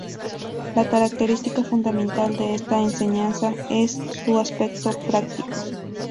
La característica fundamental de esta enseñanza es su aspecto "práctico".